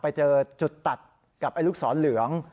ไปเจอจุดตัดกับลูกศรเหลือง